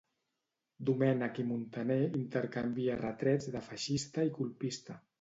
Domènech i Muntaner intercanvia retrets de "feixista" i "colpista".